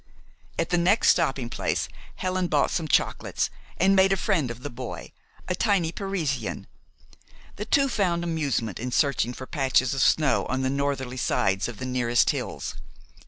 At the next stopping place Helen bought some chocolates, and made a friend of the boy, a tiny Parisian. The two found amusement in searching for patches of snow on the northerly sides of the nearest hills.